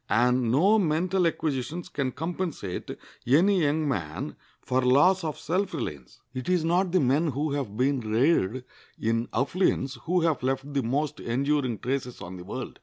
And no mental acquisitions can compensate any young man for loss of self reliance. It is not the men who have been reared in affluence who have left the most enduring traces on the world.